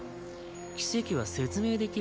奇跡は説明できるんだよ